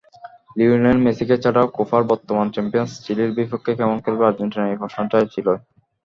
Lionel মেসিকে ছাড়া কোপার বর্তমান চ্যাম্পিয়ন চিলির বিপক্ষে কেমন খেলবে আর্জেন্টিনা—এই প্রশ্নটা ছিলই।